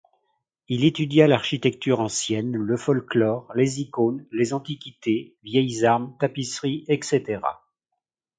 Il étudia l'architecture ancienne, le folklore, les icônes, les antiquités, vieilles armes, tapisseries etc.